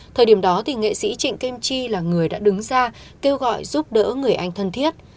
thời điểm đó thì nghệ sĩ trịnh kim chi là người đã đứng ra kêu gọi giúp đỡ người anh thân thiết